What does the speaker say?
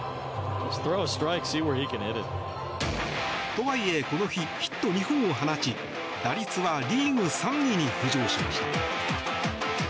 とはいえこの日ヒット２本を放ち打率はリーグ３位に浮上しました。